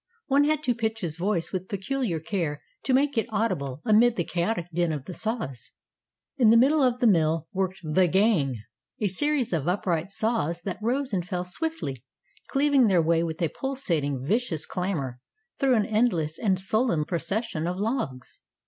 One had to pitch his voice with peculiar care to make it audible amid the chaotic din of the saws. In the middle of the mill worked the "gang," a series of upright saws that rose and fell swiftly, cleaving their way with a pulsating, vicious clamor through an endless and sullen procession of logs.